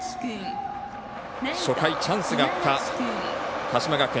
初回、チャンスがあった鹿島学園。